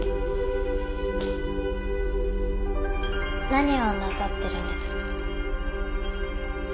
何をなさってるんです？